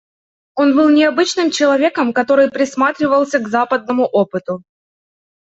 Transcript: Он был необычным человеком, который присматривался к западному опыту.